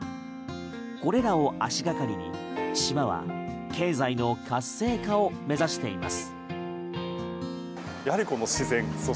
これらを足がかりに島は経済の活性化を目指しています。